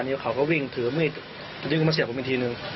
ตอนนี้เขาก็วิ่งถือมืดวิ่งมาเสียผมอีกทีหนึ่ง